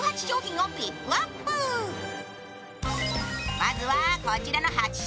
まずはこちらの８品。